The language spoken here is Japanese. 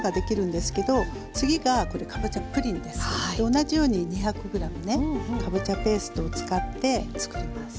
同じように２００ｇねかぼちゃペーストを使ってつくります。